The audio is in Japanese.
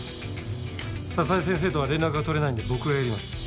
佐々井先生とは連絡が取れないんで僕がやります。